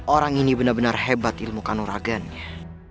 orang ini benar benar hebat ilmu kanoragannya